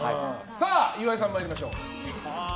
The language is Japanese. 岩井さん参りましょう。